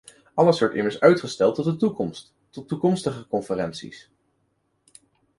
Alles werd immers uitgesteld tot de toekomst, tot toekomstige conferenties.